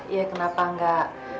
iya kenapa enggak